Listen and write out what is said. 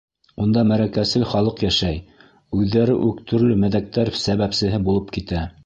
Унда мәрәкәсел халыҡ йәшәй, үҙҙәре үк төрлө мәҙәктәр сәбәпсеһе булып китә.